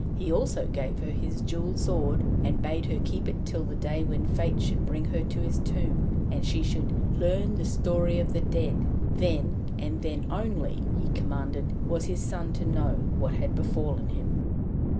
He also gave her his jewelled sword, and bade her keep it till the day when Fate should bring her to his tomb, and she should 'learn the story of the dead.' Then, and then only, he commanded, was his son to know what had befallen him.